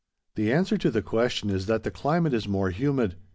The answer to the question is that the climate is more humid.